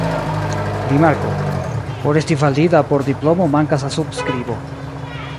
Rimarko: por esti valida por diplomo mankas la subskribo.